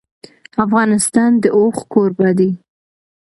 افغانستان د اوښ کوربه دی.